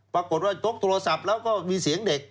ปรากฏว่ายกโทรศัพท์แล้วก็มีเสียงเด็ก